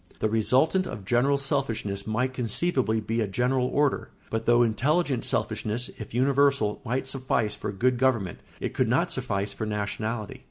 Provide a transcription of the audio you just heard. The resultant of general selfishness might conceivably be a general order; but though intelligent selfishness, if universal, might suffice for good government, it could not suffice for nationality.